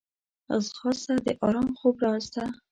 ځغاسته د ارام خوب راز ده